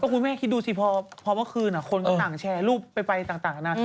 คุณแม่คิดดูสิพอเมื่อคืนคนก็ต่างแชร์รูปไปต่างนะ